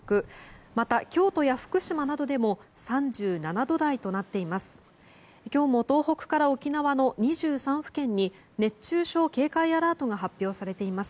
また、京都や福島などでも３７度台となっています。